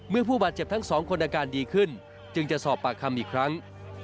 ผู้บาดเจ็บทั้งสองคนอาการดีขึ้นจึงจะสอบปากคำอีกครั้ง